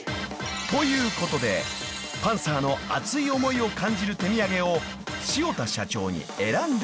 ［ということでパンサーの熱い思いを感じる手みやげを塩田社長に選んでもらいます］